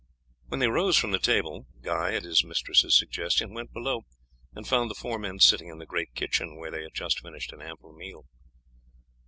When they rose from the table Guy, at his mistress's suggestion, went below and found the four men sitting in the great kitchen, where they had just finished an ample meal.